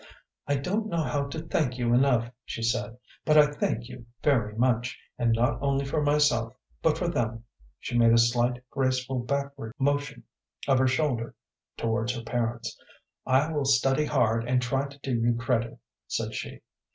"I don't know how to thank you enough," she said, "but I thank you very much, and not only for myself but for them"; she made a slight, graceful, backward motion of her shoulder towards her parents. "I will study hard and try to do you credit," said she.